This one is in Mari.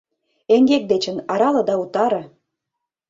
Эҥгек дечын арале да утаре.